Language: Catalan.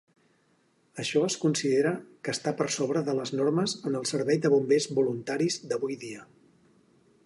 Això es considera que està per sobre de les normes en el servei de bombers voluntaris d'avui dia.